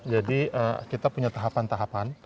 jadi kita punya tahapan tahapan